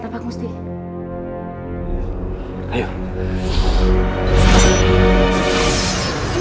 tapi kita harus mencoba cara lain